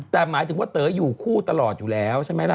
แต่หมายถึงว่าเต๋ออยู่คู่ตลอดอยู่แล้วใช่ไหมล่ะ